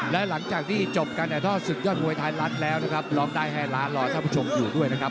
และหลังจากที่จบกันเนี่ยถ้าศึกยอดมวยไทยรัฐแล้วก็ครบล้อมได้ให้ร้อนตีชมอยู่ด้วยนะครับ